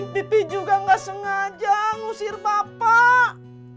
pipi juga nggak sengaja ngusir bapak